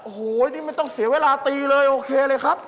โอ้โหนี่ไม่ต้องเสียเวลาตีเลยโอเคเลยครับ